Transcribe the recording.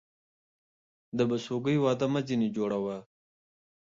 د بسوگى واده مه ځيني جوړوه.